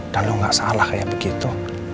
dan lo gak salah kayak begitu